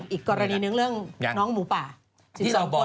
อีกกรณีนึงเรื่องน้องหมูป่า๑๒คนและโคชอีก๑คนสำหรับ๑๓คน